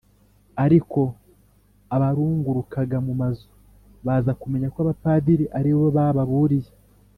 ariko abarungurukaga mu mazu baza kumenya ko abapadiri ari ho bababuriye